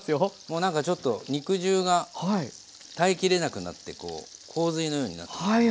もう何かちょっと肉汁が耐え切れなくなって洪水のようになってますね。